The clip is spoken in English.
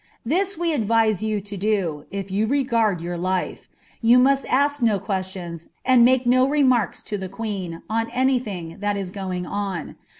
This we advise you U> do, if you reganl your life. Tou onrt uk no rjuestions, and make no remarks lo (he queen, on anything Ifatf is going on.